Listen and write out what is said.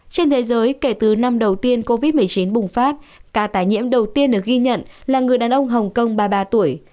trên thế giới kể từ năm đầu tiên covid một mươi chín bùng phát ca tái nhiễm đầu tiên được ghi nhận là người đàn ông hồng kông ba mươi ba tuổi